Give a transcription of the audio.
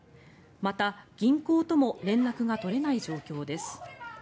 また、銀行とも連絡が取れない状況です。